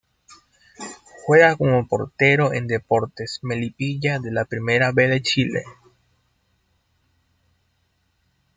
Juega como Portero en Deportes Melipilla de la Primera B de Chile.